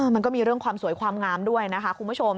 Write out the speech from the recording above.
มันก็มีเรื่องความสวยความงามด้วยนะคะคุณผู้ชม